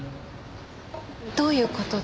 どういう事って？